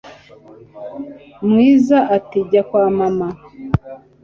Mwiza ati jya kwa mama